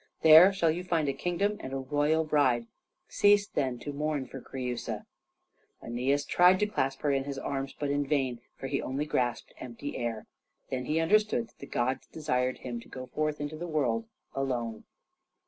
There shall you find a kingdom and a royal bride. Cease then to mourn for Creusa." Æneas tried to clasp her in his arms, but in vain, for he only grasped the empty air. Then he understood that the gods desired him to go forth into the world alone.